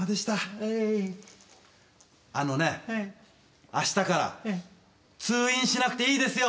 あのねあしたから通院しなくていいですよ。